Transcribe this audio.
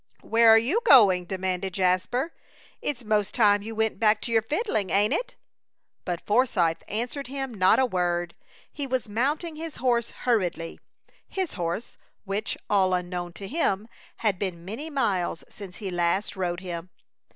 "Where are you going?" demanded Jasper. "It's 'most time you went back to your fiddling, ain't it?" But Forsythe answered him not a word. He was mounting his horse hurriedly his horse, which, all unknown to him, had been many miles since he last rode him.